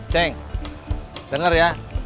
ceng denger ya